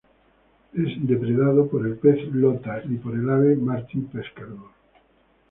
Es depredado por el pez "lota" y por el ave "martín pescador".